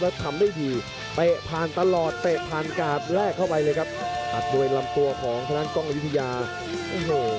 จังหัวอันทิ้งด้วยหมัดซ้ายของกล้องอยุธยาครับ